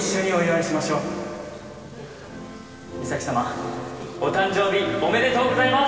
みさき様お誕生日おめでとうございます！